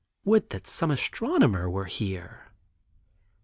Would that some astronomer were here.